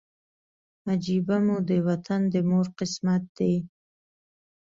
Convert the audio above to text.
عجیبه مو د وطن د مور قسمت دی